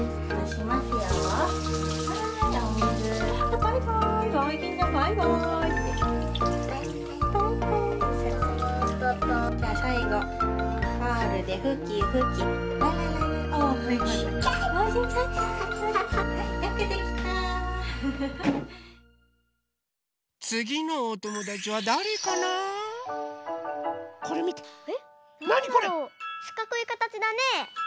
しかくいかたちだね。